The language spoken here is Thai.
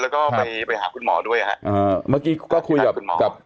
แล้วก็ไปหาคุณหมอด้วยอ่ะอ่าเมื่อกี้ก็คุยกับ